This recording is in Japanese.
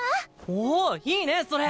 おおいいねそれ。